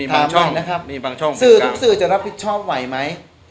ถามใหม่นะครับสื่อทุกสื่อจะรับผิดชอบไหวไหม